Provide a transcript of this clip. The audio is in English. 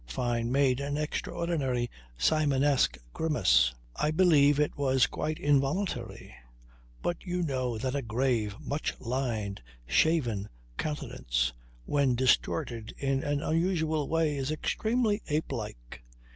Fyne made an extraordinary simiesque grimace. I believe it was quite involuntary, but you know that a grave, much lined, shaven countenance when distorted in an unusual way is extremely apelike.